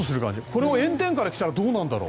これを炎天下で着たらどうなるんだろう。